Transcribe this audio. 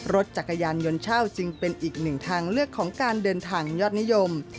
รถจักรยานยนต์เช่าจึงเป็นอีกหนึ่งทางเลือกของการเดินทางยอดนิยม